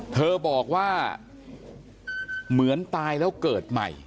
เธอบอกว่าเหมือนตายแล้วเกิดใหม่